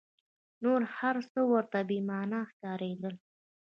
نور هر څه ورته بې مانا ښکارېدل.